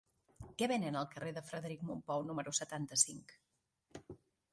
Què venen al carrer de Frederic Mompou número setanta-cinc?